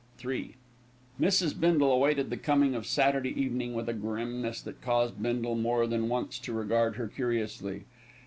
III Mrs. Bindle awaited the coming of Saturday evening with a grimness that caused Bindle more than once to regard her curiously.